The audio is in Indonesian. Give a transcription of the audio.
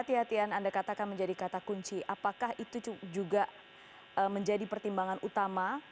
kehatian anda katakan menjadi kata kunci apakah itu juga menjadi pertimbangan utama